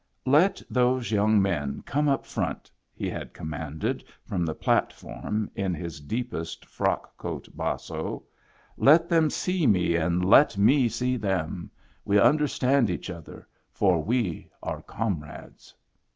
" Let those young men come up front! " he had commanded from the platform in his deepest frock coat basso. " Let them see me and let me see Digitized by Google IN THE BACK 93 them. We understand each other, for we are comrades."